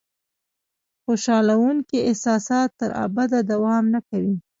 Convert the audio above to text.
خوشالونکي احساسات تر ابده دوام نه کوي.